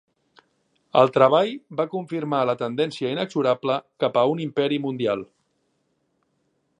El treball va confirmar la tendència inexorable cap a un imperi mundial.